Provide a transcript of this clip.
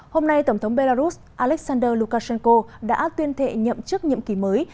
hôm nay tổng thống belarus alexander lukashenko đã tuyên thệ nhậm chức nhiệm kỳ mới